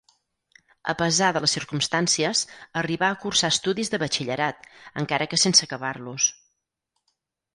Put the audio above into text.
A pesar de les circumstàncies, arribà a cursar estudis de batxillerat, encara que sense acabar-los.